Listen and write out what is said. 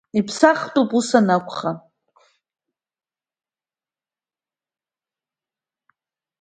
Иԥсахтәуп ус анакәха.